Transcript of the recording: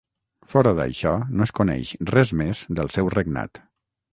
Fora d'això no es coneix res més del seu regnat.